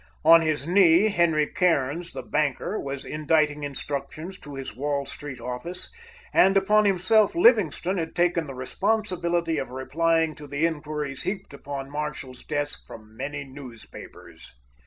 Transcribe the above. On his knee, Henry Cairns, the banker, was inditing instructions to his Wall Street office, and upon himself Livingstone had taken the responsibility of replying to the inquiries heaped upon Marshall's desk, from many newspapers.